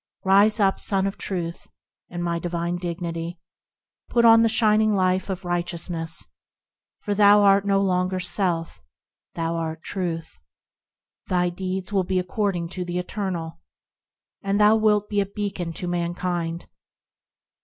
Rise up, Son of Truth ! in my divine dignity; Put on the shining life of righteousness; For thou art no longer self, thou art Truth, Thy deeds will be according to the Eternal, And thou wilt be a beacon to mankind.